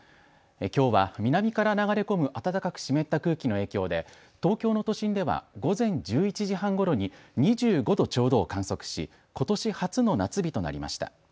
きょうは南から流れ込む暖かく湿った空気の影響で東京の都心では午前１１時半ごろに２５度ちょうどを観測しことし初の夏日となりました。